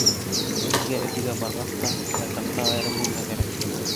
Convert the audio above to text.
Беҙгә Өфөгә барғас та ятаҡта айырым бүлмә кәрәк.